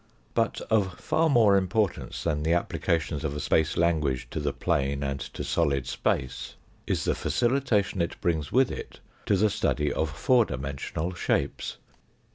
But of far more importance than the applications of a space language to the plane and to solid space is the 248 APPENDIX II 249 facilitation it brings with it to the study of four dimen sional shapes.